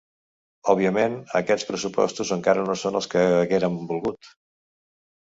Òbviament, aquests pressupostos encara no són els que haguérem volgut.